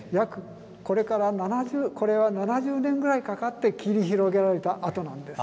これは７０年ぐらいかかって切り広げられた跡なんです。